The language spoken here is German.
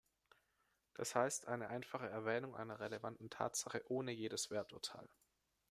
Das heißt, eine einfache Erwähnung einer relevanten Tatsache ohne jedes Werturteil.